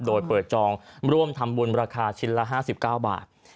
โดยเปิดจองร่วมทำบุญราคาชิ้นละ๕๙บาท